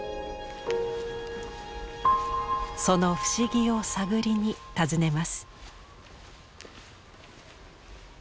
その不思議を探りに訪ねます。